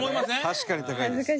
確かに高いです。